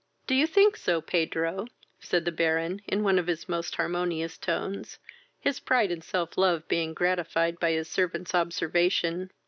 "Do you think so, Pedro? (said the Baron, in one of his most harmonious tones, his pride and self love being gratified by his servant's observation.)